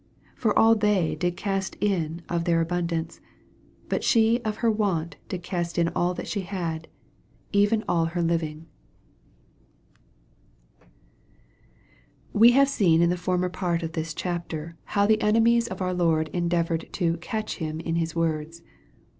44 For all they did cast in of their abundance ; but sh of her want did cast in all that she had, even all her living. 12 266 EXPOSITORY THOUGHTS. WE have seen in the former part of this chapter, how the enemies of our Lord endeavored to " catch Him m His words."